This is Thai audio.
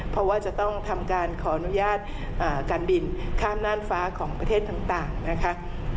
เพราะว่าจะต้องทำการขออนุญาตการบินข้ามน่านฟ้าของประเทศต่างนะคะ